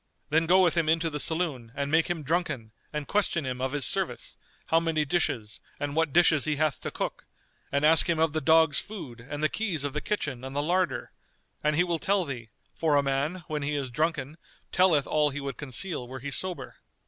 [FN#236] Then go with him into the saloon and make him drunken and question him of his service, how many dishes and what dishes he hath to cook, and ask him of the dogs' food and the keys of the kitchen and the larder; and he will tell thee; for a man, when he is drunken, telleth all he would conceal were he sober.